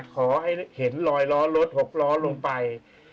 ขอให้เห็นลอยล้อรถ๖ล้อลงไป